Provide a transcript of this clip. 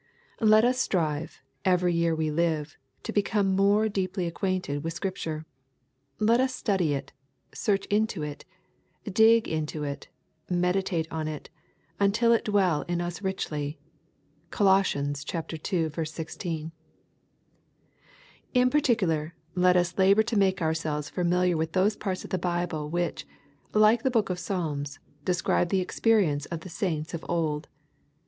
Let us strive, every year we live, to become more deeply acquainted with Scripture. Let us study it, search into it, dig into it, meditate on it, until it dwell in us richly. (Coloss. ii. 16.) In particular, let us labor to make ourselves familiar with those parts of the Bible which, like the book of Psalms, describe the experience of the saints of old.